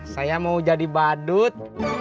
saya mau jadi badut